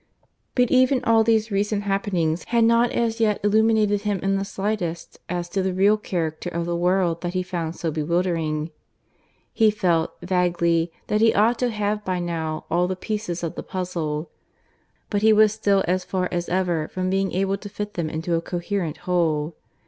But even all these recent happenings had not as yet illuminated him in the slightest as to the real character of the world that he found so bewildering. He felt, vaguely, that he ought to have by now all the pieces of the puzzle, but he was still as far as ever from being able to fit them into a coherent whole.